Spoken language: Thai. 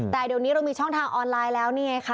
แต่เดี๋ยวนี้เรามีช่องทางออนไลน์แล้วนี่ไงคะ